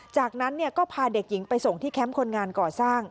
จากนั้นก็พาเด็กหญิงไปส่งที่แคมป์คนงานก่อสร้าง